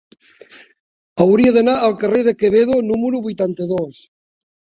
Hauria d'anar al carrer de Quevedo número vuitanta-dos.